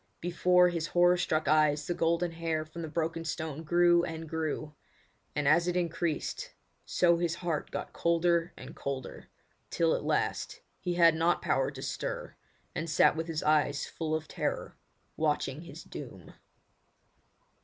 Before his horror struck eyes the golden hair from the broken stone grew and grew; and as it increased, so his heart got colder and colder, till at last he had not power to stir, and sat with eyes full of terror watching his doom.